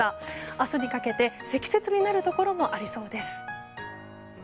明日にかけて積雪になるところもありそうです。